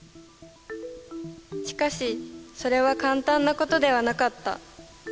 しかし、それは簡単なことではなかった。